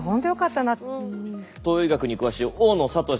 東洋医学に詳しい大野智さん。